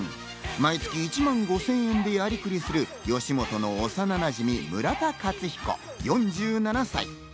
毎月１万５０００円でやりくりする吉本の幼なじみ村田克彦、４７歳。